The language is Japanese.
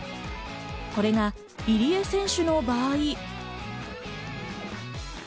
これが入江選手の場合。